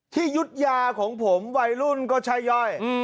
ที่ยุทธ์ยาของผมวัยรุ่นก็ชัยยอย